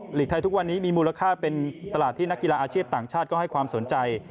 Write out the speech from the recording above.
หลีกไทยทุกวันนี้มีมูลค่าเป็นตลาดที่นักกีฬาอาชีพต่างชาติก็ให้ความสนใจ